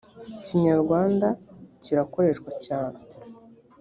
kinyarwanda kirakoreshwa cyane